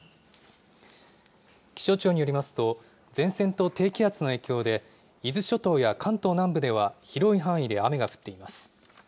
気象庁によりますと、前線と低気圧の影響で、伊豆諸島や関東南部では広い範囲で雨が降っています。